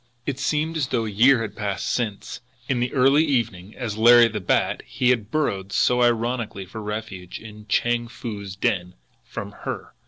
It seemed as though a year had passed since, in the early evening, as Larry the Bat, he had burrowed so ironically for refuge in Chang Foo's den from her!